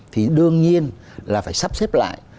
thì đương nhiên là phải sắp xếp lại